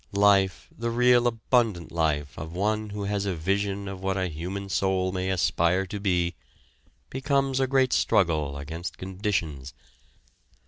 Life, the real abundant life of one who has a vision of what a human soul may aspire to be, becomes a great struggle against conditions.